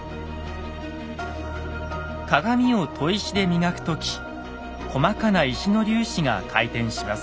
鏡を砥石で磨く時細かな石の粒子が回転します。